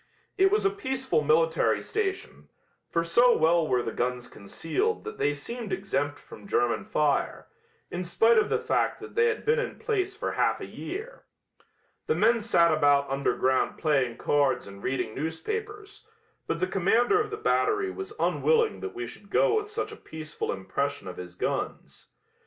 It was a peaceful military station, for so well were the guns concealed that they seemed exempt from German fire, in spite of the fact that they had been in place for half a year. The men sat about underground playing cards and reading newspapers, but the commander of the battery was unwilling that we should go with such a peaceful impression of his guns.